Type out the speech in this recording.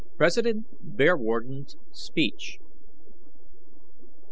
PRESIDENT BEARWARDEN'S SPEECH.